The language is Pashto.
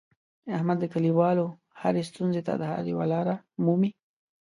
احمد د کلیوالو هرې ستونزې ته د حل یوه لاره مومي.